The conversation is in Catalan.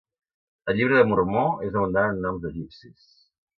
El Llibre de Mormó és abundant en noms egipcis.